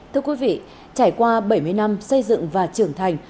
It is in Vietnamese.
thưa quý vị trải qua bảy mươi năm xây dựng và trưởng thành